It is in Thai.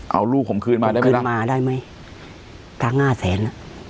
เอาลูกผมคืนมาได้ไหมผมคืนมาได้ไหมตากง่าแสน